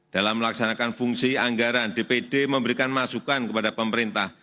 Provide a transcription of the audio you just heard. dalam melaksanakan fungsi anggaran dpd memberikan masukan kepada pemerintah